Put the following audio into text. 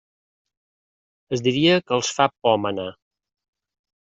Es diria que els fa por manar.